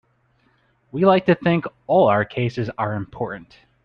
We like to think all our cases are important.